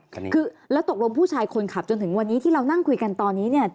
คือแล้วตกลงผู้ชายคนขับจนถึงวันนี้ที่เรานั่งคุยกันตอนนี้เนี่ย